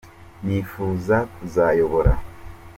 nifuza kuzayobora.